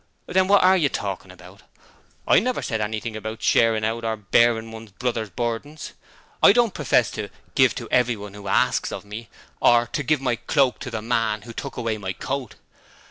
'Then what are you talking about? I never said anything about "Sharing Out" or "Bearing one another's burdens". I don't profess to "Give to everyone who asks of me" or to "Give my cloak to the man who take away my coat".